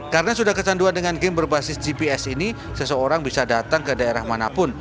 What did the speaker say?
karena sudah kecanduan dengan game berbasis gps ini seseorang bisa datang ke daerah manapun